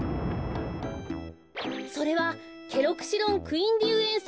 それはケロクシロンクインディウエンセ。